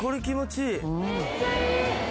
めっちゃいい！